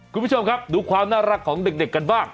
คุณผู้ชมครับดูความน่ารักของเด็กกันบ้าง